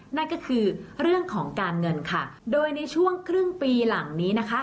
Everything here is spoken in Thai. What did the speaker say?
นั่นก็คือเรื่องของการเงินค่ะโดยในช่วงครึ่งปีหลังนี้นะคะ